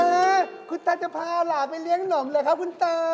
คุณตาคุณตาจะพาหลานไปเรียงหนมเลยครับคุณตา